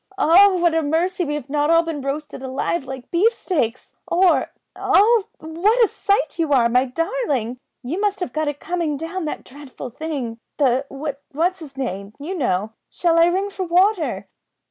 "Oh! what a mercy we've not all been roasted alive like beef steaks or oh! what a sight you are, my darling! You must have got it coming down that dreadful thing the what's 'is name, you know. Shall I ring for water?"